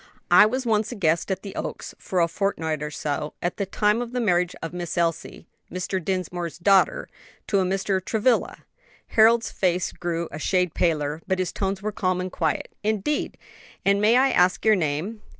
"I was once a guest at the Oaks for a fortnight or so, at the time of the marriage of Miss Elsie, Mr. Dinsmore's daughter, to a Mr. Travilla." Harold's face grew a shade paler, but his tones were calm and quiet. "Indeed! and may I ask your name?"